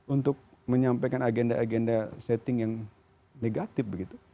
untuk menyampaikan agenda agenda setting yang negatif begitu